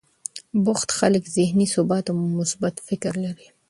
بوخت خلک ذهني ثبات او مثبت فکر لري.